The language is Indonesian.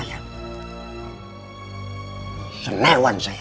tidak ada satu orang pun yang boleh masuk rumah saya